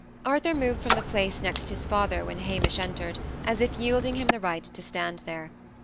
Arthur moved from the place next his father when Hamish entered, as if yielding him the right to stand there.